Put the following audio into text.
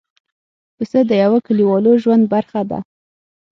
پسه د یوه کلیوالو ژوند برخه ده.